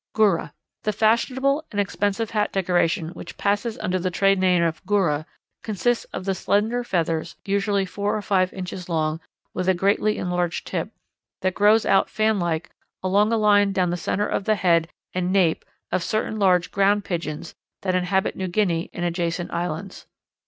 Goura. The fashionable and expensive hat decoration which passes under the trade name of Goura consists of the slender feathers, usually four or five inches long with a greatly enlarged tip, that grows out fanlike along a line down the centre of the head and nape of certain large Ground Pigeons that inhabit New Guinea and adjacent islands.